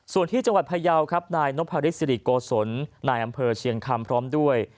ส่วนที่จังหวัดพยาวครับนายนพฤษศิริโกศลนายอำเภอเชียงคำพร้อมด้วย